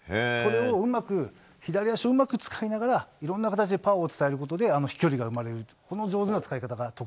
これを左足をうまく使いながらいろんな形でパワーを伝えることで飛距離が生まれるという。